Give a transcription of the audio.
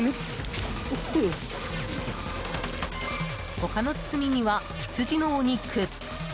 他の包みには羊のお肉。